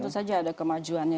tentu saja ada kemajuannya